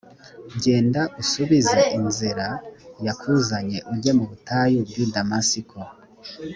genda usubize inzira yakuzanye ujye mu butayu bw i damasiko